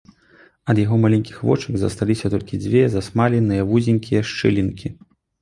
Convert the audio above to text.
Ад яго маленькіх вочак засталіся толькі дзве замасленыя вузенькія шчылінкі.